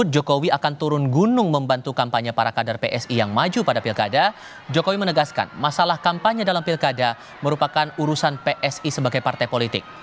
jokowi menegaskan masalah kampanye dalam pilkada merupakan urusan psi sebagai partai politik